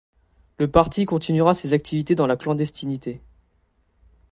Le parti continuera ses activités dans la clandestinité.